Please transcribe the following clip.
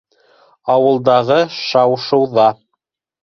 Ауылдағы шау-шыу ҙа